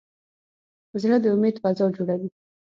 زړه د امید فضا جوړوي.